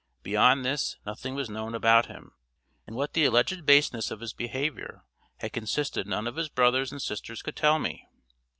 Beyond this nothing was known about him. In what the alleged baseness of his behavior had consisted none of his brothers and sisters could tell me.